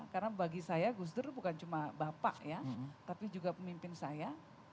karena bagi saya gus dur bukan cuma bapak ya tapi juga pemimpin saya